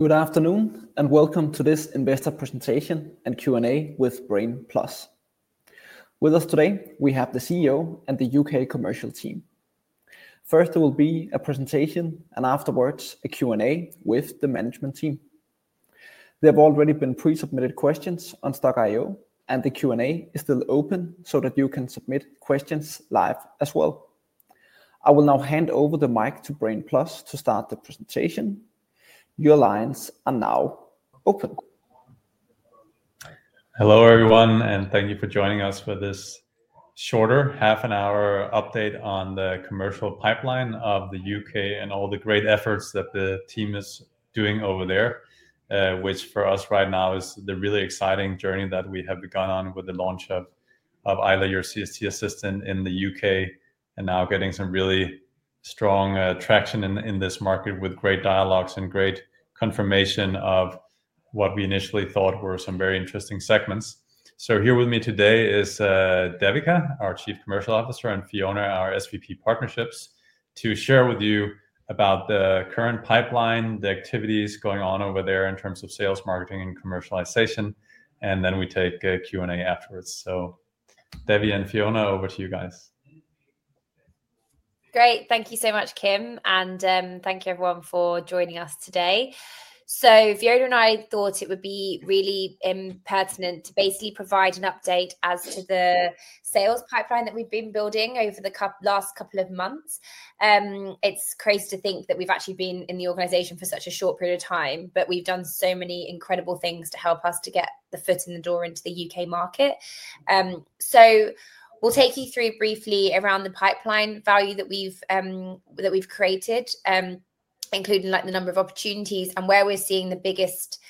Good afternoon, and welcome to this Investor Presentation and Q&A with Brain+. With us today, we have the CEO and the U.K. commercial team. First, there will be a presentation, and afterwards a Q&A with the management team. There have already been pre-submitted questions on Stokk.io, and the Q&A is still open so that you can submit questions live as well. I will now hand over the mic to Brain+ to start the presentation. Your lines are now open. Hello everyone, and thank you for joining us for this shorter half an hour update on the commercial pipeline of the U.K. and all the great efforts that the team is doing over there, which for us right now is the really exciting journey that we have begun on with the launch of Ayla - your CST Assistant in the U.K., and now getting some really strong traction in this market with great dialogues and great confirmation of what we initially thought were some very interesting segments. So here with me today is Devika, our Chief Commercial Officer, and Fiona, our SVP, Partnerships, to share with you about the current pipeline, the activities going on over there in terms of sales, marketing, and commercialization, and then we take a Q&A afterwards. So Devi and Fiona, over to you guys. Great, thank you so much, Kim, and thank you everyone for joining us today. Fiona and I thought it would be really important to basically provide an update as to the sales pipeline that we've been building over the last couple of months. It's crazy to think that we've actually been in the organization for such a short period of time, but we've done so many incredible things to help us to get a foot in the door into the U.K. market. So we'll take you through briefly around the pipeline value that we've created, including the number of opportunities and where we're seeing the biggest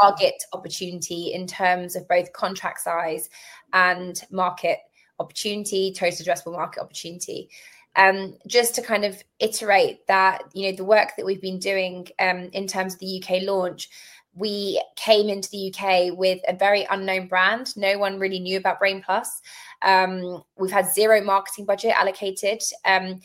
target opportunity in terms of both contract size and market opportunity, total addressable market opportunity. Just to kind of iterate that, the work that we've been doing in terms of the U.K. launch, we came into the U.K. with a very unknown brand. No one really knew about Brain+. We've had zero marketing budget allocated, and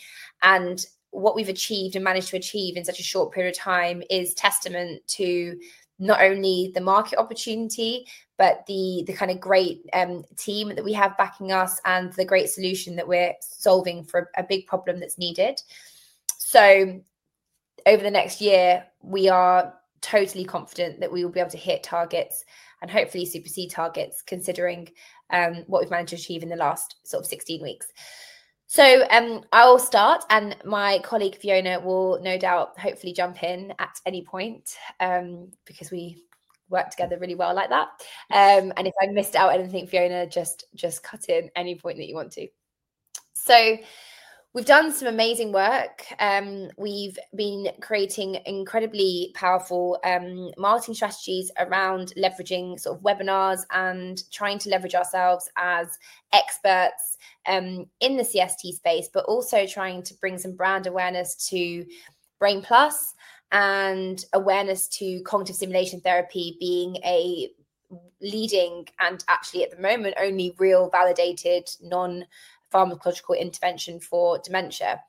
what we've achieved and managed to achieve in such a short period of time is testament to not only the market opportunity, but the kind of great team that we have backing us and the great solution that we're solving for a big problem that's needed. So over the next year, we are totally confident that we will be able to hit targets and hopefully supersede targets considering what we've managed to achieve in the last sort of 16 weeks. So I'll start, and my colleague Fiona will no doubt hopefully jump in at any point because we work together really well like that. And if I missed out anything, Fiona, just cut in any point that you want to. So we've done some amazing work. We've been creating incredibly powerful marketing strategies around leveraging webinars and trying to leverage ourselves as experts in the CST space, but also trying to bring some brand awareness to Brain+ and awareness to cognitive stimulation therapy being a leading and actually at the moment only real validated non-pharmacological intervention for dementia.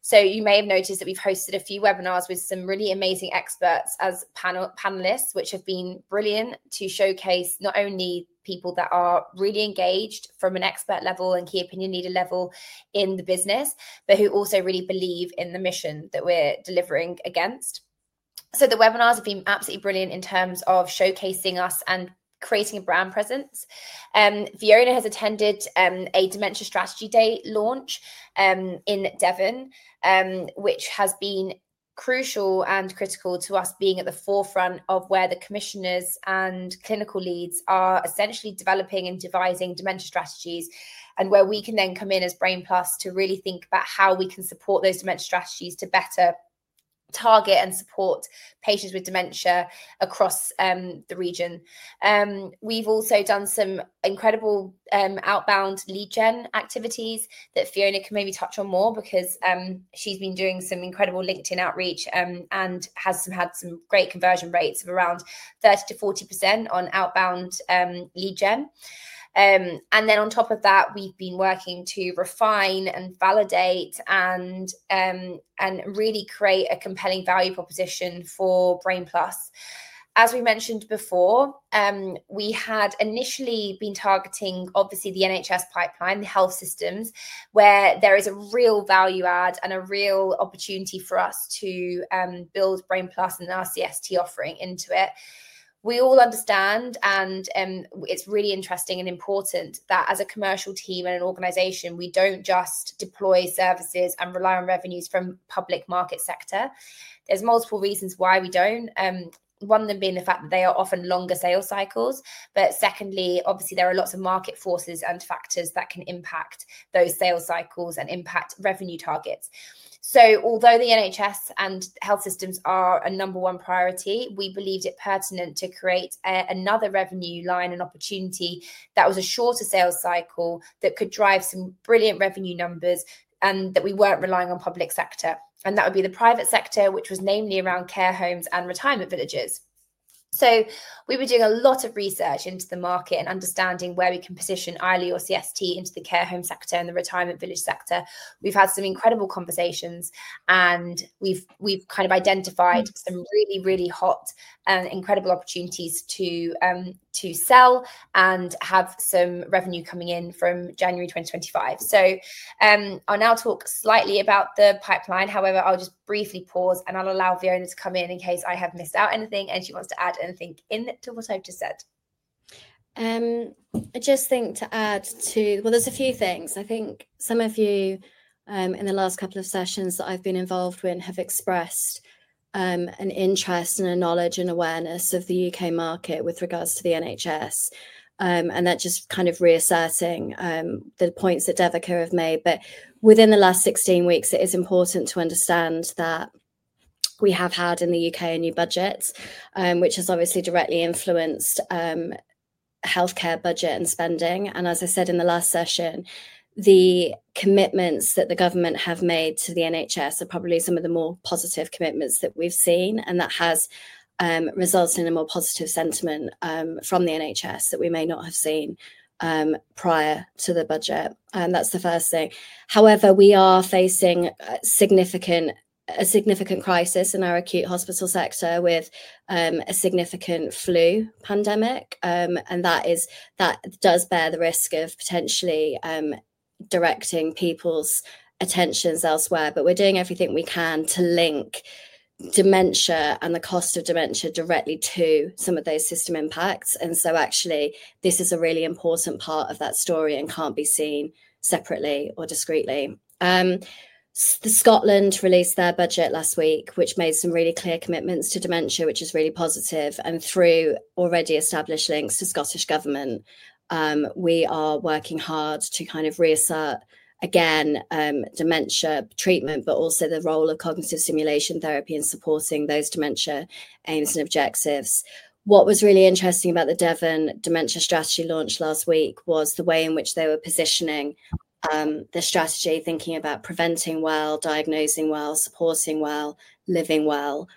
So you may have noticed that we've hosted a few webinars with some really amazing experts as panelists, which have been brilliant to showcase not only people that are really engaged from an expert level and key opinion leader level in the business, but who also really believe in the mission that we're delivering against. So the webinars have been absolutely brilliant in terms of showcasing us and creating a brand presence. Fiona has attended a Dementia Strategy Day launch in Devon, which has been crucial and critical to us being at the forefront of where the commissioners and clinical leads are essentially developing and devising dementia strategies, and where we can then come in as Brain+ to really think about how we can support those dementia strategies to better target and support patients with dementia across the region. We've also done some incredible outbound lead gen activities that Fiona can maybe touch on more because she's been doing some incredible LinkedIn outreach and has had some great conversion rates of around 30%-40% on outbound lead gen, and then on top of that, we've been working to refine and validate and really create a compelling value proposition for Brain+. As we mentioned before, we had initially been targeting obviously the NHS pipeline, the health systems, where there is a real value add and a real opportunity for us to build Brain+ and our CST offering into it. We all understand, and it's really interesting and important that as a commercial team and an organization, we don't just deploy services and rely on revenues from the public market sector. There's multiple reasons why we don't. One of them being the fact that they are often longer sales cycles, but secondly, obviously there are lots of market forces and factors that can impact those sales cycles and impact revenue targets. Although the NHS and health systems are a number one priority, we believed it pertinent to create another revenue line and opportunity that was a shorter sales cycle that could drive some brilliant revenue numbers and that we weren't relying on the public sector. And that would be the private sector, which was namely around care homes and retirement villages. So we were doing a lot of research into the market and understanding where we can position Ayla - your CST, into the care home sector and the retirement village sector. We've had some incredible conversations, and we've kind of identified some really, really hot and incredible opportunities to sell and have some revenue coming in from January 2025. So I'll now talk slightly about the pipeline. However, I'll just briefly pause, and I'll allow Fiona to come in in case I have missed out anything and she wants to add anything in to what I've just said. I just think to add to, well, there's a few things. I think some of you in the last couple of sessions that I've been involved with have expressed an interest and a knowledge and awareness of the U.K. market with regards to the NHS, and that just kind of reasserting the points that Devika have made. But within the last 16 weeks, it is important to understand that we have had in the U.K. a new budget, which has obviously directly influenced healthcare budget and spending. And as I said in the last session, the commitments that the government have made to the NHS are probably some of the more positive commitments that we've seen, and that has resulted in a more positive sentiment from the NHS that we may not have seen prior to the budget. And that's the first thing. However, we are facing a significant crisis in our acute hospital sector with a significant flu pandemic, and that does bear the risk of potentially directing people's attentions elsewhere. But we're doing everything we can to link dementia and the cost of dementia directly to some of those system impacts. And so actually, this is a really important part of that story and can't be seen separately or discretely. Scotland released their budget last week, which made some really clear commitments to dementia, which is really positive. And through already established links to Scottish Government, we are working hard to kind of reassert again dementia treatment, but also the role of cognitive stimulation therapy in supporting those dementia aims and objectives. What was really interesting about the Devon Dementia Strategy launch last week was the way in which they were positioning the strategy, thinking about preventing well, diagnosing well, supporting well, living well.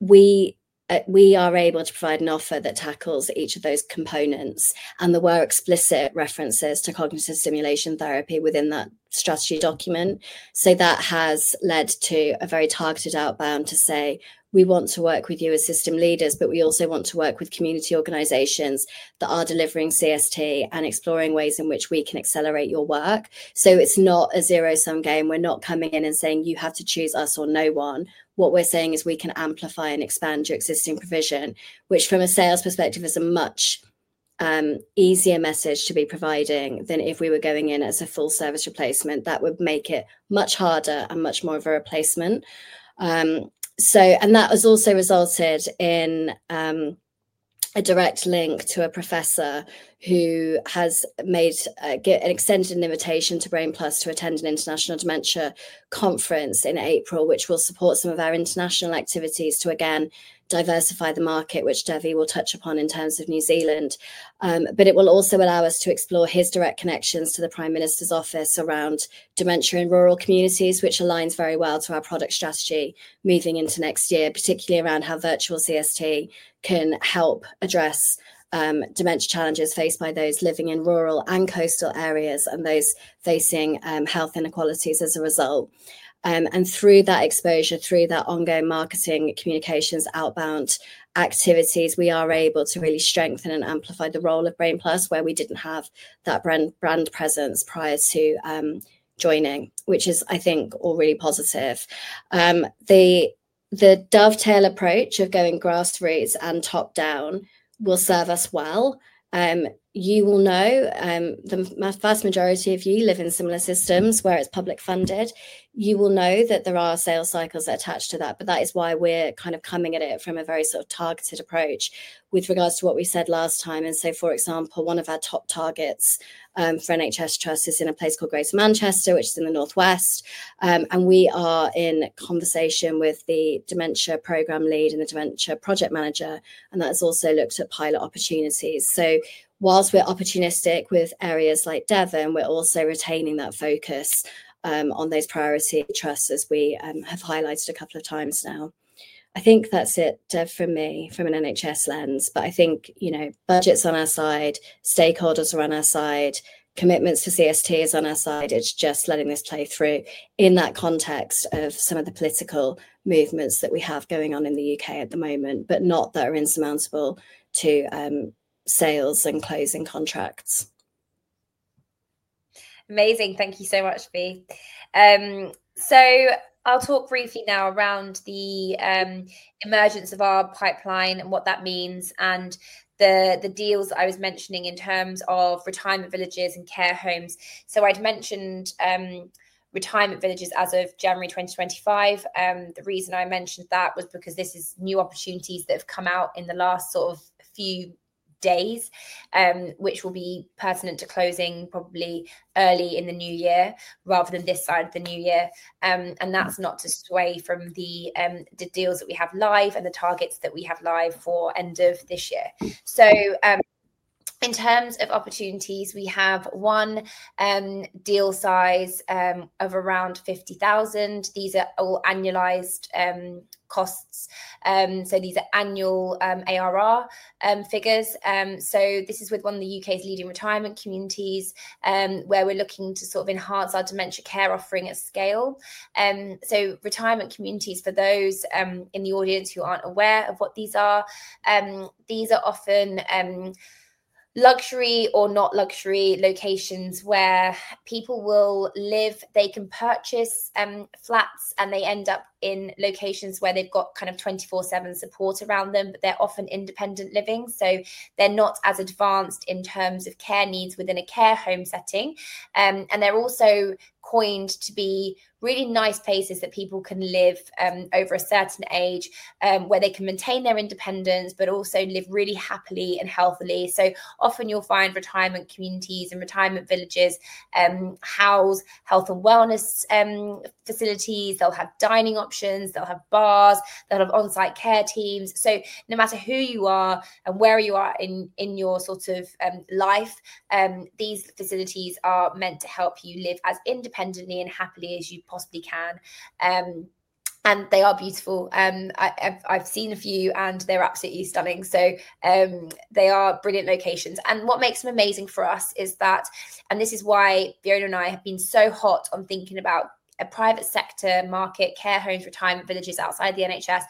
We are able to provide an offer that tackles each of those components, and there were explicit references to cognitive stimulation therapy within that strategy document. So that has led to a very targeted outbound to say, we want to work with you as system leaders, but we also want to work with community organizations that are delivering CST and exploring ways in which we can accelerate your work. So it's not a zero-sum game. We're not coming in and saying, you have to choose us or no one. What we're saying is we can amplify and expand your existing provision, which from a sales perspective is a much easier message to be providing than if we were going in as a full service replacement. That would make it much harder and much more of a replacement, and that has also resulted in a direct link to a professor who has made an extended invitation to Brain+ to attend an international dementia conference in April, which will support some of our international activities to again diversify the market, which Devi will touch upon in terms of New Zealand. But it will also allow us to explore his direct connections to the Prime Minister's Office around dementia in rural communities, which aligns very well to our product strategy moving into next year, particularly around how virtual CST can help address dementia challenges faced by those living in rural and coastal areas and those facing health inequalities as a result. And through that exposure, through that ongoing marketing communications outbound activities, we are able to really strengthen and amplify the role of Brain+ where we didn't have that brand presence prior to joining, which is, I think, all really positive. The dovetail approach of going grassroots and top down will serve us well. You will know, the vast majority of you live in similar systems where it's public funded. You will know that there are sales cycles attached to that, but that is why we're kind of coming at it from a very sort of targeted approach with regards to what we said last time. And so, for example, one of our top targets for NHS trusts is in a place called Greater Manchester, which is in the North West. And we are in conversation with the dementia program lead and the dementia project manager, and that has also looked at pilot opportunities. So while we're opportunistic with areas like Devon, we're also retaining that focus on those priority trusts as we have highlighted a couple of times now. I think that's it from me from an NHS lens, but I think budgets on our side, stakeholders are on our side, commitments to CST is on our side. It's just letting this play through in that context of some of the political movements that we have going on in the U.K. at the moment, but not that are insurmountable to sales and closing contracts. Amazing. Thank you so much, Fi. So I'll talk briefly now around the emergence of our pipeline and what that means and the deals that I was mentioning in terms of retirement villages and care homes. So I'd mentioned retirement villages as of January 2025. The reason I mentioned that was because this is new opportunities that have come out in the last sort of few days, which will be pertinent to closing probably early in the new year rather than this side of the new year. And that's not to sway from the deals that we have live and the targets that we have live for end of this year. So in terms of opportunities, we have one deal size of around 50,000. These are all annualized costs. So these are annual ARR figures. So this is with one of the U.K.'s leading retirement communities where we're looking to sort of enhance our dementia care offering at scale. So retirement communities, for those in the audience who aren't aware of what these are, these are often luxury or not luxury locations where people will live. They can purchase flats, and they end up in locations where they've got kind of 24/7 support around them, but they're often independent living. So they're not as advanced in terms of care needs within a care home setting. And they're also coined to be really nice places that people can live over a certain age where they can maintain their independence, but also live really happily and healthily. So often you'll find retirement communities and retirement villages house health and wellness facilities. They'll have dining options. They'll have bars. They'll have onsite care teams. So no matter who you are and where you are in your sort of life, these facilities are meant to help you live as independently and happily as you possibly can. And they are beautiful. I've seen a few, and they're absolutely stunning. So they are brilliant locations. And what makes them amazing for us is that, and this is why Fiona and I have been so hot on thinking about a private sector market, care homes, retirement villages outside the NHS.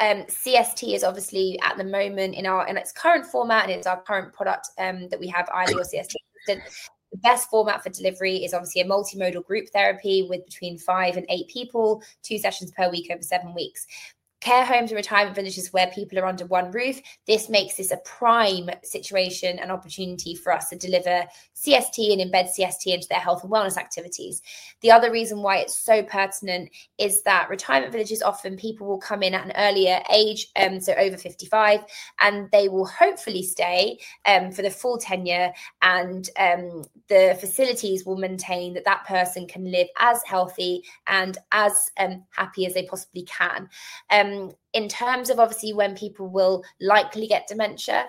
CST is obviously at the moment in its current format, and it's our current product that we have, Ayla - your CST Assistant, the best format for delivery is obviously a multimodal group therapy with between five and eight people, two sessions per week over seven weeks. Care homes and retirement villages where people are under one roof. This makes this a prime situation and opportunity for us to deliver CST and embed CST into their health and wellness activities. The other reason why it's so pertinent is that retirement villages often people will come in at an earlier age, so over 55, and they will hopefully stay for the full tenure, and the facilities will maintain that person can live as healthy and as happy as they possibly can. In terms of obviously when people will likely get dementia,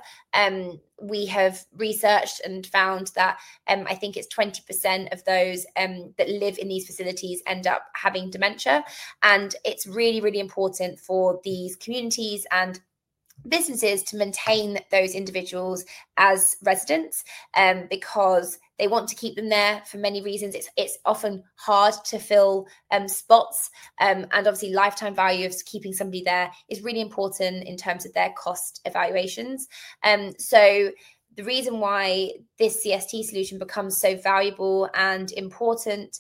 we have researched and found that I think it's 20% of those that live in these facilities end up having dementia. It's really, really important for these communities and businesses to maintain those individuals as residents because they want to keep them there for many reasons. It's often hard to fill spots. And obviously, lifetime value of keeping somebody there is really important in terms of their cost evaluations. So the reason why this CST solution becomes so valuable and important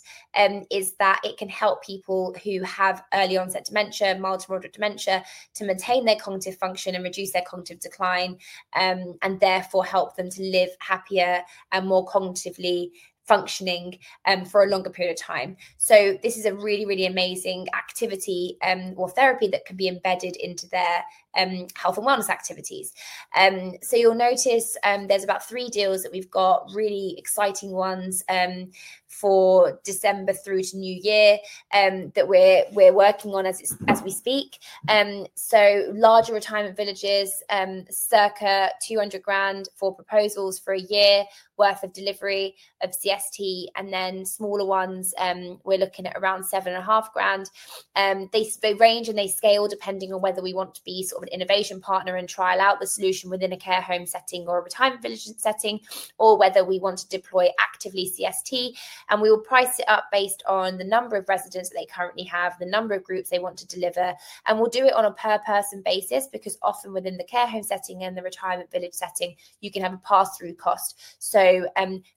is that it can help people who have early-onset dementia, mild-to-moderate dementia, to maintain their cognitive function and reduce their cognitive decline and therefore help them to live happier and more cognitively functioning for a longer period of time. So this is a really, really amazing activity or therapy that can be embedded into their health and wellness activities. So you'll notice there's about three deals that we've got, really exciting ones for December through to New Year that we're working on as we speak. So larger retirement villages, circa 200,000 for proposals for a year worth of delivery of CST. And then smaller ones, we're looking at around 7,500. They range and they scale depending on whether we want to be sort of an innovation partner and trial out the solution within a care home setting or a retirement village setting, or whether we want to deploy actively CST. And we will price it up based on the number of residents that they currently have, the number of groups they want to deliver. And we'll do it on a per-person basis because often within the care home setting and the retirement village setting, you can have a pass-through cost. So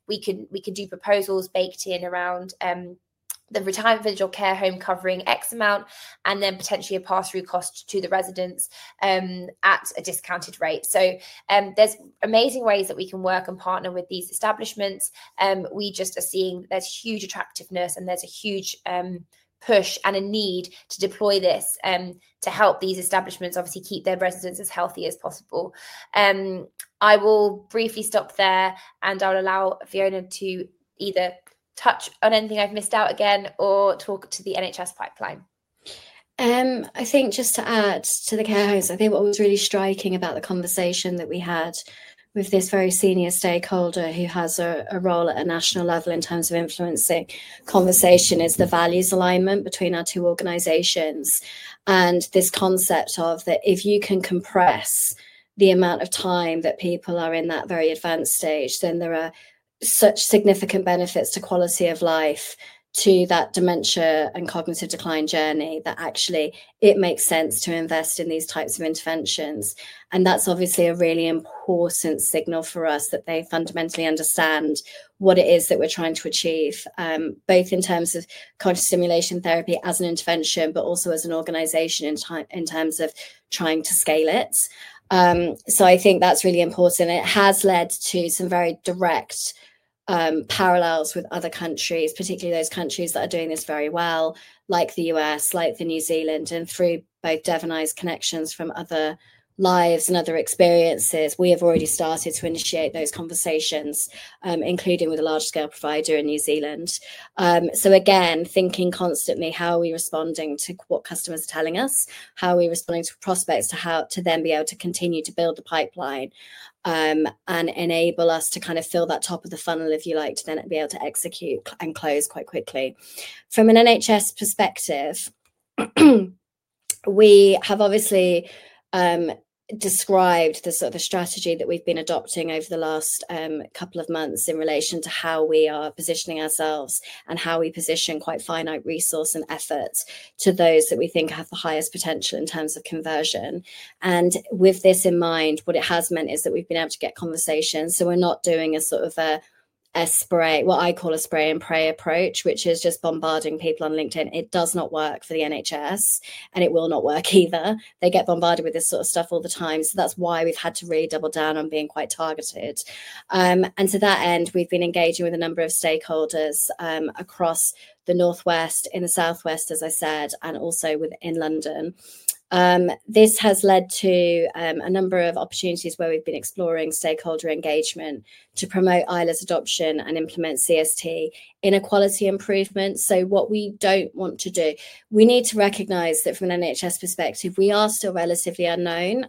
we can do proposals baked in around the retirement village or care home covering X amount and then potentially a pass-through cost to the residents at a discounted rate. So there's amazing ways that we can work and partner with these establishments. We just are seeing there's huge attractiveness and there's a huge push and a need to deploy this to help these establishments obviously keep their residents as healthy as possible. I will briefly stop there, and I'll allow Fiona to either touch on anything I've missed out again or talk to the NHS pipeline. I think just to add to the care homes, I think what was really striking about the conversation that we had with this very senior stakeholder who has a role at a national level in terms of influencing conversation is the values alignment between our two organizations and this concept of that if you can compress the amount of time that people are in that very advanced stage, then there are such significant benefits to quality of life to that dementia and cognitive decline journey that actually it makes sense to invest in these types of interventions. And that's obviously a really important signal for us that they fundamentally understand what it is that we're trying to achieve, both in terms of cognitive stimulation therapy as an intervention, but also as an organization in terms of trying to scale it. So I think that's really important. It has led to some very direct parallels with other countries, particularly those countries that are doing this very well, like the U.S., like New Zealand, and through both Devon ties connections from other lives and other experiences, we have already started to initiate those conversations, including with a large-scale provider in New Zealand. So again, thinking constantly, how are we responding to what customers are telling us? How are we responding to prospects to then be able to continue to build the pipeline and enable us to kind of fill that top of the funnel, if you like, to then be able to execute and close quite quickly. From an NHS perspective, we have obviously described the sort of strategy that we've been adopting over the last couple of months in relation to how we are positioning ourselves and how we position quite finite resource and effort to those that we think have the highest potential in terms of conversion. With this in mind, what it has meant is that we've been able to get conversations. We're not doing a sort of a spray, what I call a spray and pray approach, which is just bombarding people on LinkedIn. It does not work for the NHS, and it will not work either. They get bombarded with this sort of stuff all the time. That's why we've had to really double down on being quite targeted. To that end, we've been engaging with a number of stakeholders across the North West, in the South West, as I said, and also within London. This has led to a number of opportunities where we've been exploring stakeholder engagement to promote Ayla's adoption and implement CST in a quality improvement. What we don't want to do, we need to recognize that from an NHS perspective, we are still relatively unknown.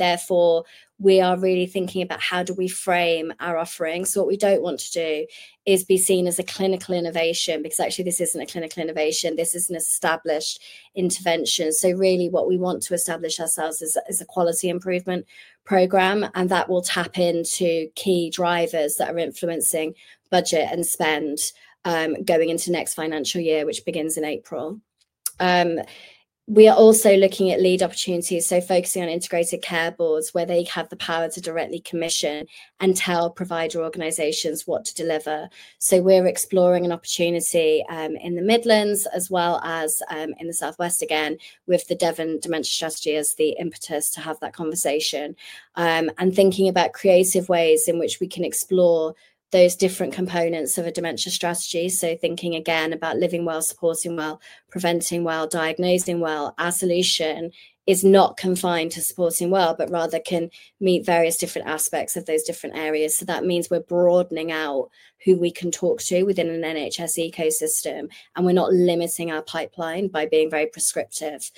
Therefore, we are really thinking about how do we frame our offerings. What we don't want to do is be seen as a clinical innovation because actually this isn't a clinical innovation. This is an established intervention. Really what we want to establish ourselves is a quality improvement program, and that will tap into key drivers that are influencing budget and spend going into next financial year, which begins in April. We are also looking at lead opportunities, so focusing on Integrated Care Boards where they have the power to directly commission and tell provider organizations what to deliver, so we're exploring an opportunity in the Midlands as well as in the South West again with the Devon Dementia Strategy as the impetus to have that conversation and thinking about creative ways in which we can explore those different components of a dementia strategy, so thinking again about living well, supporting well, preventing well, diagnosing well, as solution is not confined to supporting well, but rather can meet various different aspects of those different areas, so that means we're broadening out who we can talk to within an NHS ecosystem, and we're not limiting our pipeline by being very prescriptive,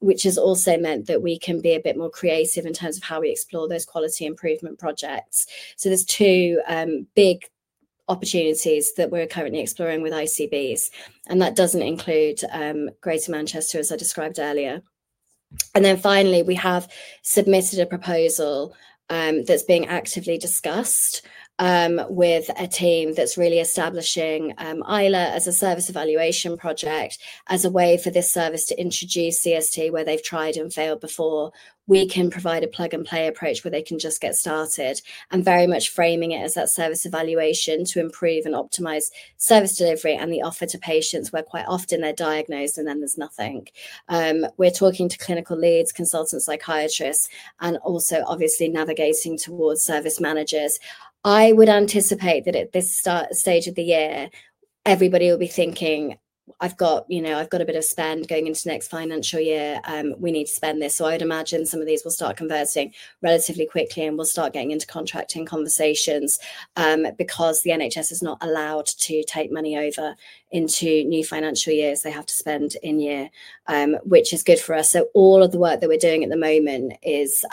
which has also meant that we can be a bit more creative in terms of how we explore those quality improvement projects. So there's two big opportunities that we're currently exploring with ICBs, and that doesn't include Greater Manchester, as I described earlier. And then finally, we have submitted a proposal that's being actively discussed with a team that's really establishing Ayla's as a service evaluation project as a way for this service to introduce CST where they've tried and failed before. We can provide a plug and play approach where they can just get started and very much framing it as that service evaluation to improve and optimize service delivery and the offer to patients where quite often they're diagnosed and then there's nothing. We're talking to clinical leads, consultant psychiatrists, and also obviously navigating towards service managers. I would anticipate that at this stage of the year, everybody will be thinking, "I've got a bit of spend going into next financial year. We need to spend this." So I would imagine some of these will start conversing relatively quickly and we'll start getting into contracting conversations because the NHS is not allowed to take money over into new financial years. They have to spend in year, which is good for us. So all of the work that we're doing at the moment is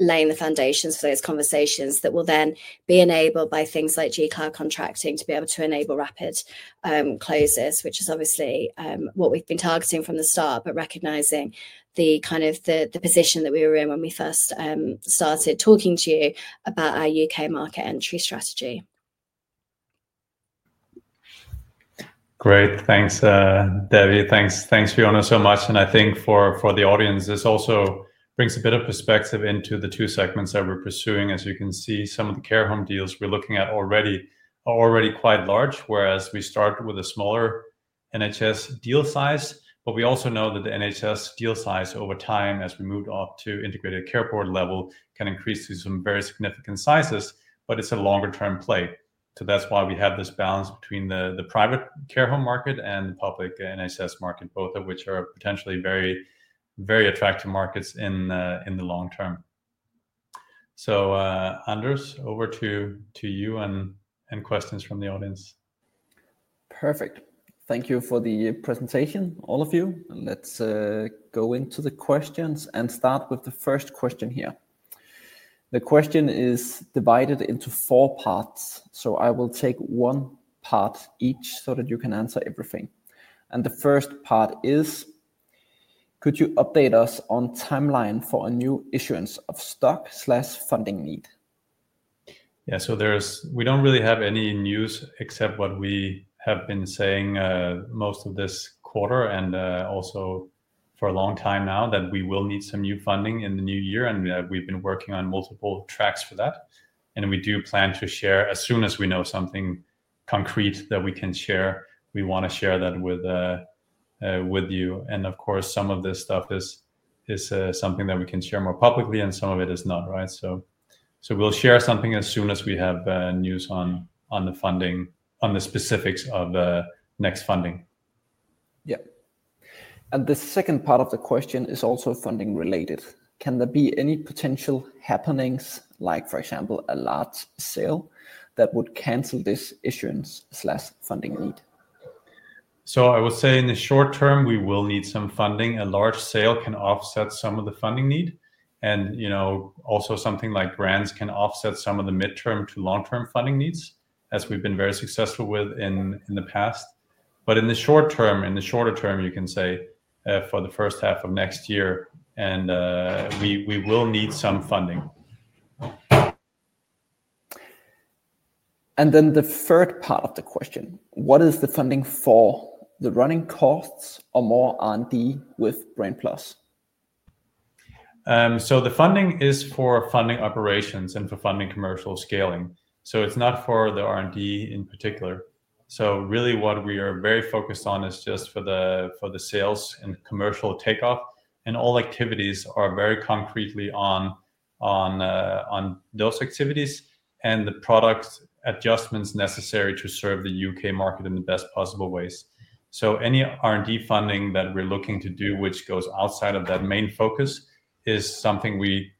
laying the foundations for those conversations that will then be enabled by things like G-Cloud contracting to be able to enable rapid closes, which is obviously what we've been targeting from the start, but recognizing the kind of the position that we were in when we first started talking to you about our U.K. market entry strategy. Great. Thanks, Devi. Thanks, Fiona, so much. And I think for the audience, this also brings a bit of perspective into the two segments that we're pursuing. As you can see, some of the care home deals we're looking at already are quite large, whereas we start with a smaller NHS deal size. But we also know that the NHS deal size over time, as we move up to Integrated Care Board level, can increase to some very significant sizes, but it's a longer-term play. So that's why we have this balance between the private care home market and the public NHS market, both of which are potentially very, very attractive markets in the long term. So Anders, over to you and questions from the audience. Perfect. Thank you for the presentation, all of you. Let's go into the questions and start with the first question here. The question is divided into four parts, so I will take one part each so that you can answer everything. And the first part is, could you update us on timeline for a new issuance of stock or funding need? Yeah, so we don't really have any news except what we have been saying most of this quarter and also for a long time now that we will need some new funding in the new year, and we've been working on multiple tracks for that. And we do plan to share as soon as we know something concrete that we can share. We want to share that with you. And of course, some of this stuff is something that we can share more publicly, and some of it is not, right? So we'll share something as soon as we have news on the funding, on the specifics of next funding. Yeah. And the second part of the question is also funding related. Can there be any potential happenings, like for example, a large sale that would cancel this issuance/funding need? I would say in the short term, we will need some funding. A large sale can offset some of the funding need. Also something like grants can offset some of the midterm to long-term funding needs, as we've been very successful with in the past. In the short term, in the shorter term, you can say for the first half of next year, and we will need some funding. Then the third part of the question, what is the funding for? The running costs or more R&D with Brain+? So the funding is for funding operations and for funding commercial scaling. So it's not for the R&D in particular. So really what we are very focused on is just for the sales and commercial takeoff. And all activities are very concretely on those activities and the product adjustments necessary to serve the U.K. market in the best possible ways. So any R&D funding that we're looking to do, which goes outside of that main focus, is something we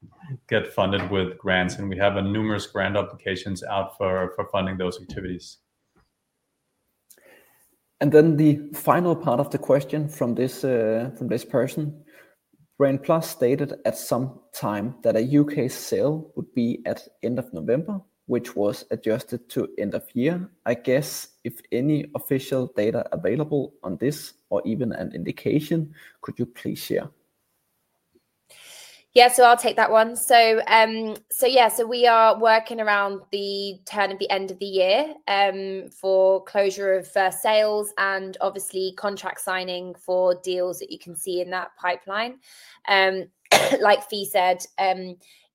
get funded with grants, and we have numerous grant applications out for funding those activities. And then the final part of the question from this person. Brain+ stated at some time that a U.K. sale would be at end of November, which was adjusted to end of year. I guess if any official data available on this or even an indication, could you please share? Yeah, so I'll take that one. So yeah, so we are working around the turn of the end of the year for closure of sales and obviously contract signing for deals that you can see in that pipeline. Like Fi said,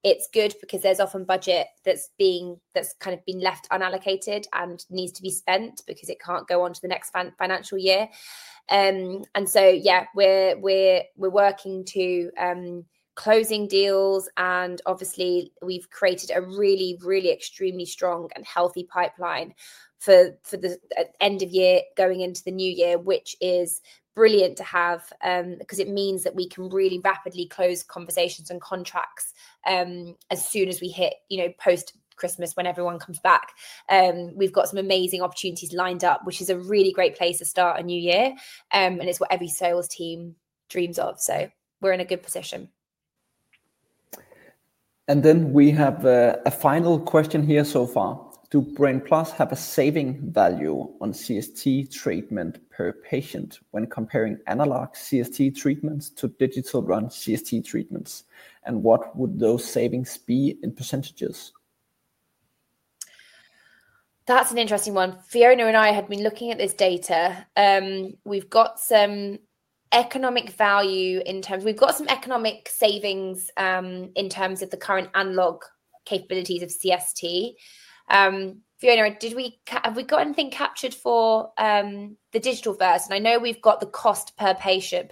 it's good because there's often budget that's kind of been left unallocated and needs to be spent because it can't go on to the next financial year. And so yeah, we're working to closing deals, and obviously we've created a really, really extremely strong and healthy pipeline for the end of year going into the new year, which is brilliant to have because it means that we can really rapidly close conversations and contracts as soon as we hit post-Christmas when everyone comes back. We've got some amazing opportunities lined up, which is a really great place to start a new year, and it's what every sales team dreams of. So we're in a good position. And then we have a final question here so far. Do Brain+ have a saving value on CST treatment per patient when comparing analog CST treatments to digital run CST treatments? And what would those savings be in percentages? That's an interesting one. Fiona and I had been looking at this data. We've got some economic value in terms of we've got some economic savings in terms of the current analog capabilities of CST. Fiona, have we got anything captured for the digital versus? And I know we've got the cost per patient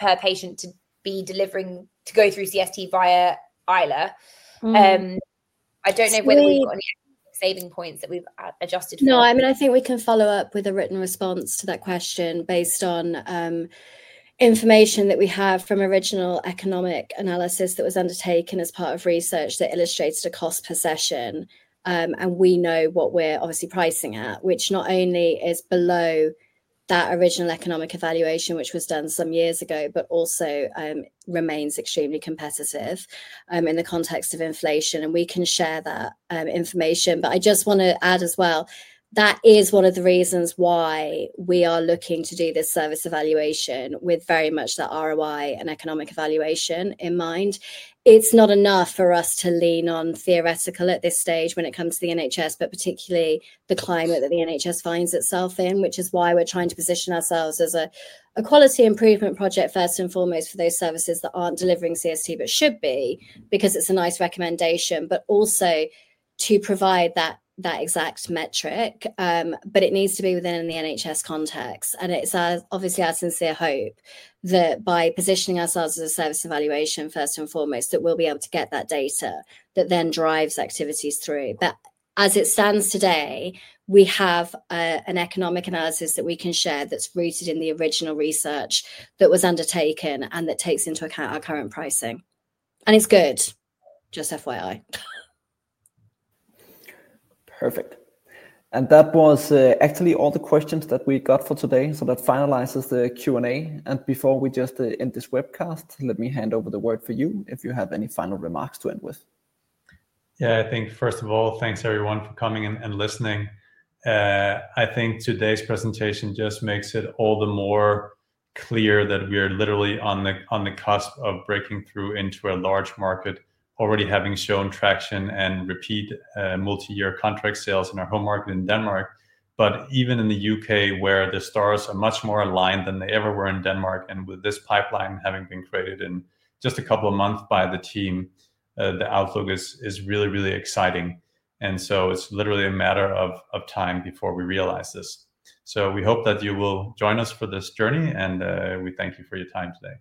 to be delivering to go through CST via Ayla. I don't know whether we've got any saving points that we've adjusted for. No, I mean, I think we can follow up with a written response to that question based on information that we have from original economic analysis that was undertaken as part of research that illustrates a cost per session, and we know what we're obviously pricing at, which not only is below that original economic evaluation, which was done some years ago, but also remains extremely competitive in the context of inflation. And we can share that information. But I just want to add as well, that is one of the reasons why we are looking to do this service evaluation with very much that ROI and economic evaluation in mind. It's not enough for us to lean on theoretical at this stage when it comes to the NHS, but particularly the climate that the NHS finds itself in, which is why we're trying to position ourselves as a quality improvement project first and foremost for those services that aren't delivering CST but should be because it's a nice recommendation, but also to provide that exact metric, but it needs to be within the NHS context, and it's obviously our sincere hope that by positioning ourselves as a service evaluation first and foremost, that we'll be able to get that data that then drives activities through, but as it stands today, we have an economic analysis that we can share that's rooted in the original research that was undertaken and that takes into account our current pricing, and it's good, just FYI. Perfect. And that was actually all the questions that we got for today. So that finalizes the Q&A. And before we just end this webcast, let me hand over the word for you if you have any final remarks to end with. Yeah, I think first of all, thanks everyone for coming and listening. I think today's presentation just makes it all the more clear that we are literally on the cusp of breaking through into a large market, already having shown traction and repeat multi-year contract sales in our home market in Denmark. But even in the U.K., where the stars are much more aligned than they ever were in Denmark, and with this pipeline having been created in just a couple of months by the team, the outlook is really, really exciting. And so it's literally a matter of time before we realize this. So we hope that you will join us for this journey, and we thank you for your time today.